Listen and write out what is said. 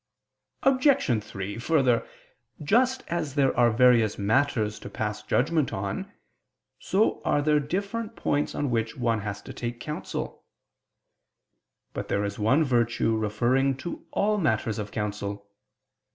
Obj. 3: Further, just as there are various matters to pass judgment on, so are there different points on which one has to take counsel. But there is one virtue referring to all matters of counsel.